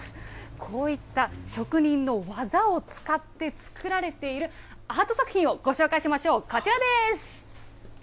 こういった職人の技を使って作られている、アート作品をご紹介しましょう、こちらです。